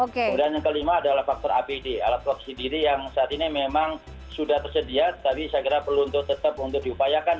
kemudian yang kelima adalah faktor apd alat produksi diri yang saat ini memang sudah tersedia tapi saya kira perlu untuk tetap untuk diupayakan